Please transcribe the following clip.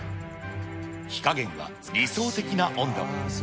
火加減は理想的な温度。